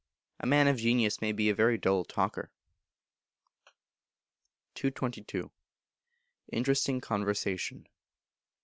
A man of genius may be a very dull talker. 222. Interesting Conversation.